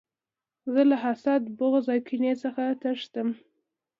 زه له حسد، بغض او کینې څخه تښتم.